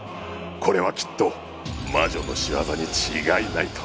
「これはきっと魔女の仕業に違いない」と。